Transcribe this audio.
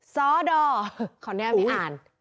ซ้อดอขอแนวนี้อ่าน